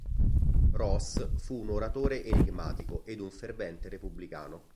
Roos fu un oratore enigmatico ed un fervente repubblicano.